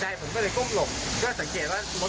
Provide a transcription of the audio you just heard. จะมีรถจอดอยู่ตรงนั้นรถ